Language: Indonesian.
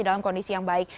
dalam kondisi yang baik